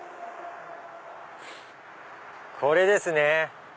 これですね。